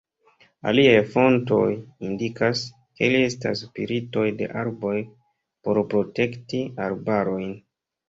Aliaj fontoj indikas, ke ili estas spiritoj de arboj por protekti arbarojn.